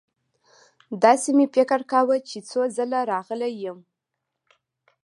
داسې مې فکر کاوه چې څو ځله راغلی یم.